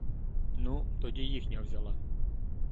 Ну, тоді їхня взяла.